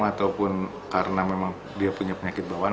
ataupun karena memang dia punya penyakit bawah